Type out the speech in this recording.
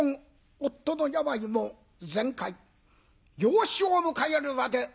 夫の病も全快養子を迎えるわで大喜び。